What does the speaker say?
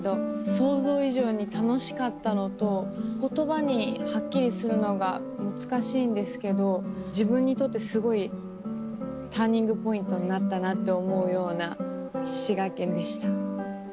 想像以上に楽しかったのと言葉にはっきりするのが難しいんですけど自分にとってすごいターニングポイントになったなって思うような滋賀県でした。